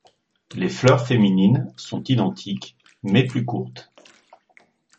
Les fleurs féminines sont identiques, mais plus courtes.